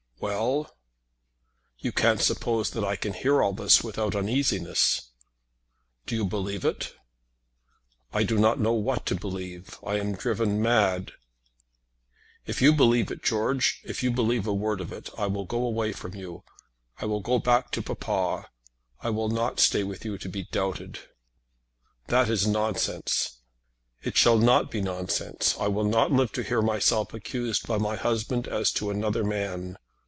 "Well!" "You can't suppose that I can hear all this without uneasiness." "Do you believe it?" "I do not know what to believe. I am driven mad." "If you believe it, George, if you believe a word of it, I will go away from you. I will go back to papa. I will not stay with you to be doubted." "That is nonsense." "It shall not be nonsense. I will not live to hear myself accused by my husband as to another man.